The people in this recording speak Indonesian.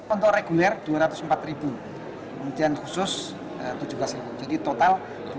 untuk reguler dua ratus empat kemudian khusus tujuh belas jadi total dua ratus dua puluh satu